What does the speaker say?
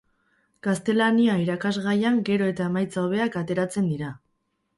Gaztelania irakasgaian gero eta emaitza hobeak ateratzen dira.